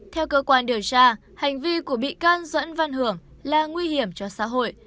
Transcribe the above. theo cơ quan điều tra hành vi của bị can doãn văn hưởng là nguy hiểm cho xã hội